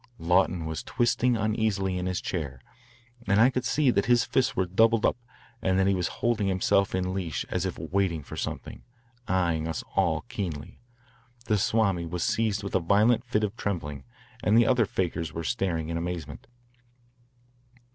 Lawton was twisting uneasily in his chair, and I could see that his fists were doubled up and that he was holding himself in leash as if waiting for something, eyeing us all keenly. The Swami was seized with a violent fit of trembling, and the other fakirs were staring in amazement.